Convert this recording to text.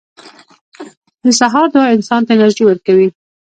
• د سهار دعا انسان ته انرژي ورکوي.